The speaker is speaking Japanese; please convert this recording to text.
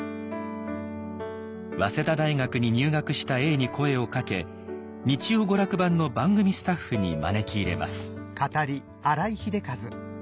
早稲田大学に入学した永に声をかけ「日曜娯楽版」の番組スタッフに招き入れます。